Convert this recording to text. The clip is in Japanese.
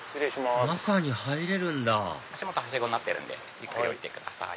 中に入れるんだ足元はしごになってるんでゆっくり降りてください。